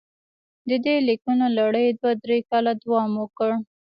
د دې لیکونو لړۍ دوه درې کاله دوام وکړ.